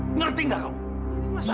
cantik juga ya